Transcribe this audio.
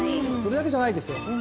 それだけじゃないですよ。